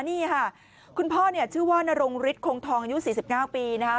นี่ค่ะคุณพ่อเนี่ยชื่อว่านรงฤทธิคงทองอายุ๔๙ปีนะคะ